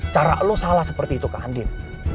cara lo salah seperti itu ke andir